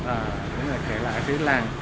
à em nghe bố mẹ kể lại cái làng